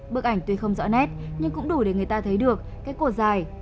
bức ảnh tuy không rõ nét nhưng cũng đủ để người ta thấy được cái cột dài